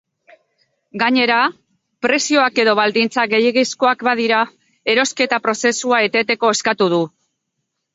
Gainera, prezioak edo baldintzak gehiegizkoak badira, erosketa prozesua eteteko eskatu du.